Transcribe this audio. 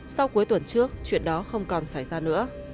sau cuối tuần trước chuyện đó không còn xảy ra nữa